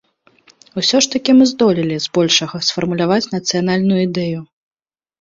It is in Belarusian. Усё ж такі мы здолелі, збольшага, сфармуляваць нацыянальную ідэю.